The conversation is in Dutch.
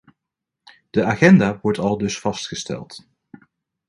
De agenda wordt aldus vastgesteld.